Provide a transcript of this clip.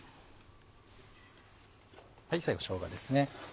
最後しょうがですね。